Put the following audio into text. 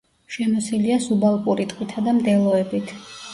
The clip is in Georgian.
შემოსილია სუბალპური ტყითა და მდელოებით.